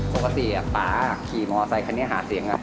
ส่วนปกติปลาขี่มอเซ็นต์เฉะนี้หาเสียง